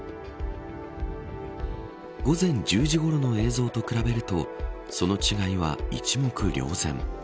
午前１０時ごろの映像と比べるとその違いは一目瞭然。